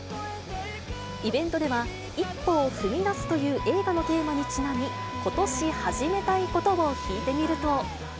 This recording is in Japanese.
イベントでは、一歩を踏み出すという映画のテーマにちなみ、ことし始めたいことを聞いてみると。